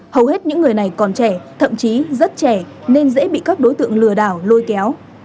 hầu hết những người này còn trẻ thậm chí rất trẻ nên dễ bị các đối tượng lừa đảo lôi kéo